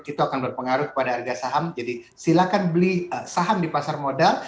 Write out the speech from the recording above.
itu akan berpengaruh kepada harga saham jadi silakan beli saham di pasar modal